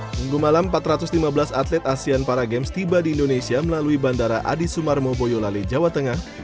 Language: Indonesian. minggu malam empat ratus lima belas atlet asean para games tiba di indonesia melalui bandara adi sumarmo boyolali jawa tengah